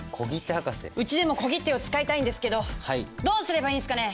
うちでも小切手を使いたいんですけどどうすればいいんすかね？